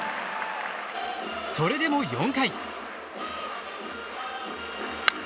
それでも４回。